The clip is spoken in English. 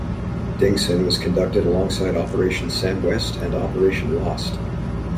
Dingson was conducted alongside Operation Samwest and Operation Lost.